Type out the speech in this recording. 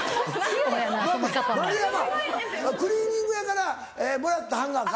丸山クリーニング屋からもらったハンガーか？